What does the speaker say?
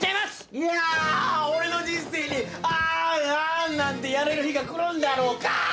いやぁ俺の人生に「あんあん」なんてやれる日が来るんだろうか！